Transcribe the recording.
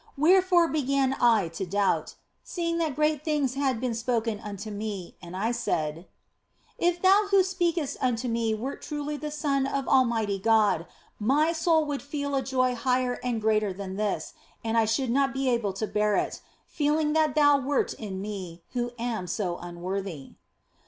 Wherefore began I to doubt, seeing that great things had been spoken unto me ; and I said :" If Thou who speakest unto me wert truly the Son of Almighty God, my soul would feel a joy higher and greater than this, and I should not be able to bear it, feeling that Thou wert in me, who am so unworthy."